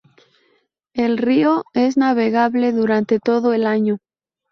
El río es navegable durante todo el año.